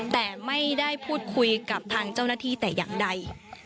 แต่ไม่ได้พูดคุยกับทางเจ้าหน้าที่แต่อย่างใด